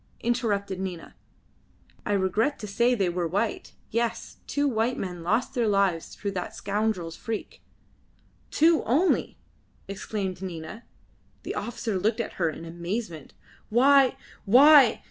interrupted Nina. "I regret to say they were white. Yes, two white men lost their lives through that scoundrel's freak." "Two only!" exclaimed Nina. The officer looked at her in amazement. "Why! why!